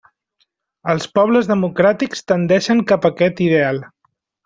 Els pobles democràtics tendeixen cap a aquest ideal.